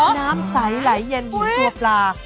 น้ำใสหลายเย็นอยู่ตัวปลา